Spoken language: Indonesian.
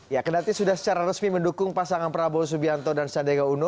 ya kedati sudah secara resmi mendukung pasangan prabowo subianto dan sandiaga uno